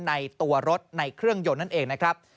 ในตัวรถในเครื่องยนต์นั่นเองนะครับ